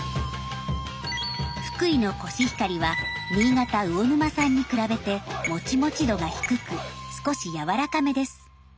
福井のコシヒカリは新潟魚沼産に比べてモチモチ度が低く少しやわらかめです。